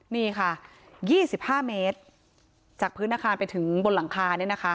นี่ค่ะยี่สิบห้าเมตรจากพื้นอาคารไปถึงบนหลังคาเนี้ยนะคะ